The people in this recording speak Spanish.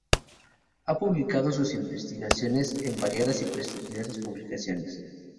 Ha publicado sus investigaciones en variadas y prestigiosas publicaciones.